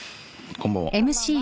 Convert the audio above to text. こんばんは。